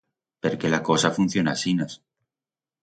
Perque la cosa funciona asinas.